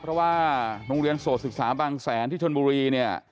เพราะว่าโรงเรียนโสดศึกษาบางแสนที่ชนบุรีเนี่ย